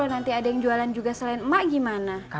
nanti ada yang jualan juga selain emak gimana